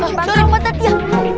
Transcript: sebatunya buka dulu